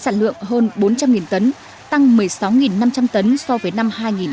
sản lượng hơn bốn trăm linh tấn tăng một mươi sáu năm trăm linh tấn so với năm hai nghìn một mươi bảy